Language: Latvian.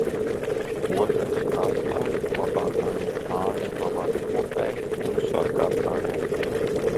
Otrais: atslēgu glabātājai, mājas pavarda kopējai un sargātājai.